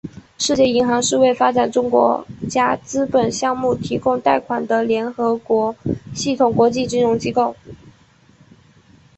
世界银行是为发展中国家资本项目提供贷款的联合国系统国际金融机构。